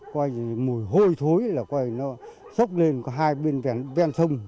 coi như mùi hôi thối là coi như nó xốc lên hai bên ven sông